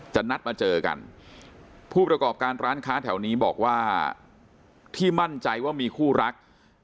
นัดมาเจอกันผู้ประกอบการร้านค้าแถวนี้บอกว่าที่มั่นใจว่ามีคู่รัก